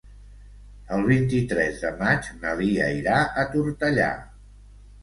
El vint-i-tres de maig na Lia irà a Tortellà.